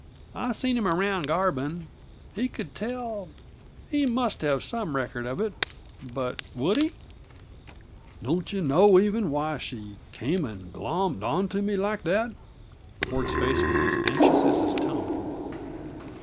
I've seen him around Garbin. He could tell he must have some record of it; but would he?" "Don't you know, even, why she came and glommed onto me like that?" Ford's face was as anxious as his tone.